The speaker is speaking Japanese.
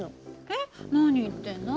えっ何言ってんの？